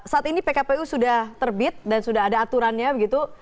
saat ini pkpu sudah terbit dan sudah ada aturannya begitu